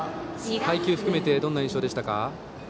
配球を含めてどんな印象ですか？